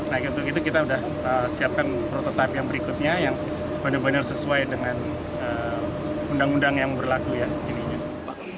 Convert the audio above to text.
nah untuk itu kita sudah siapkan prototipe yang berikutnya yang benar benar sesuai dengan undang undang yang berlaku ya